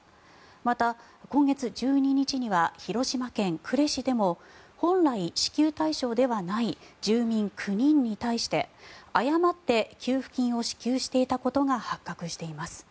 また今月１２日には広島県呉市でも本来、支給対象ではない住民９人に対して誤って給付金を支給していたことが発覚しています。